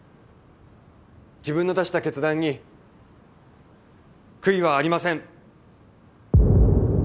自分の出した決断に悔いはありません。